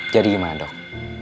jadi gimana dok